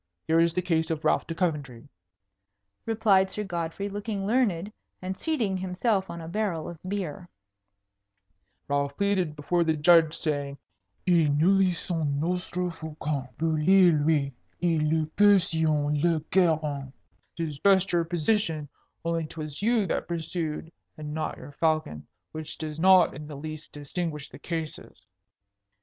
Here is the case of Ralph de Coventry," replied Sir Godfrey, looking learned, and seating himself on a barrel of beer. "Ralph pleaded before the Judge saying, 'et nous lessamus nostre faucon voler à luy, et il le pursuy en le garrein,' 'tis just your position, only 'twas you that pursued and not your falcon, which does not in the least distinguish the cases."